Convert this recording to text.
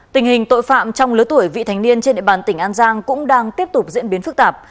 tình hình tội phạm trong lứa tuổi vị thành niên trên địa bàn tỉnh an giang cũng đang tiếp tục diễn biến phức tạp